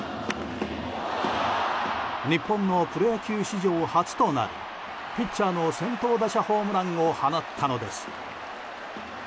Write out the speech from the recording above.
日本のプロ野球史上初となるピッチャーの先頭打者ホームランを放ったのです。